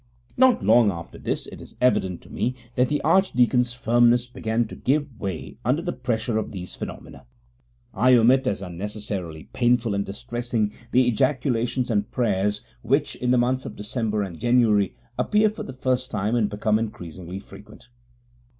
] Not long after this it is evident to me that the archdeacon's firmness began to give way under the pressure of these phenomena. I omit as unnecessarily painful and distressing the ejaculations and prayers which, in the months of December and January, appear for the first time and become increasingly frequent.